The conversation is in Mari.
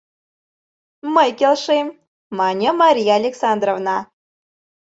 — Мый келшем, — мане Мария Александровна.